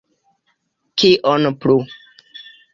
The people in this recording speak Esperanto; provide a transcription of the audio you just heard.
Kion plu?